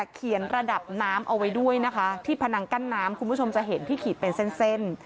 ระดับน้ำเอาไว้ด้วยนะคะที่พนังกั้นน้ำคุณผู้ชมจะเห็นที่ขีดเป็นเส้น